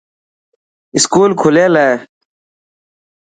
اسڪول کليل هي.